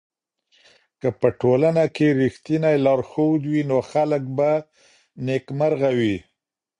که په ټولنه کي رښتينی لارښود وي نو خلګ به نېکمرغه وي.